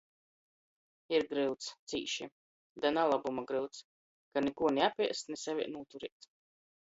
Ir gryuts. Cīši. Da nalobuma gryuts, ka nikuo ni apēst, ni sevī nūturēt.